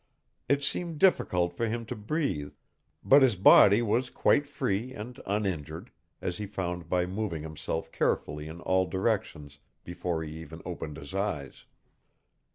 It seemed difficult for him to breathe, but his body was quite free and uninjured, as he found by moving himself carefully in all directions before he even opened his eyes.